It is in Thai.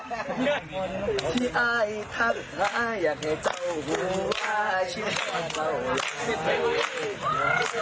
พี่ไอทักทายอยากให้เจ้าภูมิว่าชิงฮารเผ่าอยู่